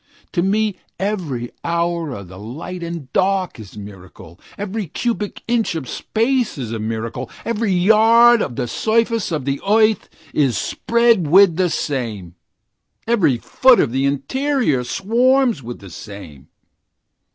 To me every hour of the light and dark is a miracle, Every cubic inch of space is a miracle, Every square yard of the surface of the earth is spread with the same, Every foot of the interior swarms with the same.